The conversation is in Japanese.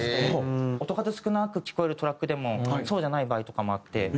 音数少なく聞こえるトラックでもそうじゃない場合とかもあって。